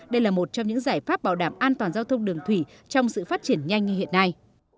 đây là một trong những giải pháp bảo đảm an toàn giao thông đường thủy trong sự phát triển nhanh như hiện nay